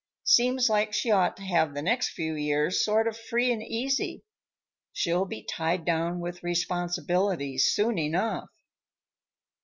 Seems like she ought to have the next few years sort of free and easy. She'll be tied down with responsibilities soon enough."